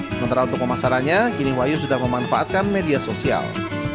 sementara untuk pemasarannya kini wahyu sudah memanfaatkan media sosial